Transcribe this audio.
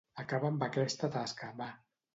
Acaba amb aquesta tasca, va.